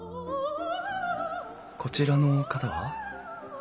こちらの方は？